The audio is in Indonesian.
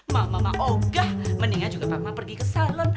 mah mama ogah mendingan juga papa pergi ke salon